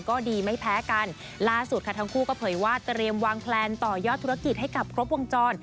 ก็ดีไม่แพ้กันล่าสุดค่ะทั้งคู่ก็เผยว่าเตรียมวางแพลนต่อยอดธุรกิจให้กับครบวงจร